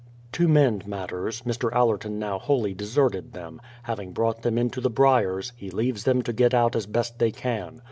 To mend matters, Mr. Allerton now wholly deserted them; having brought them into the briars, he leaves them to get out as best they can.